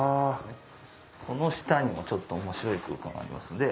この下にもちょっと面白い空間がありますので。